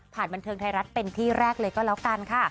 บันเทิงไทยรัฐเป็นที่แรกเลยก็แล้วกันค่ะ